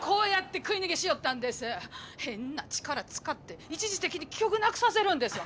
変な力使って一時的に記憶なくさせるんですわ。